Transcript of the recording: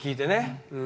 うん。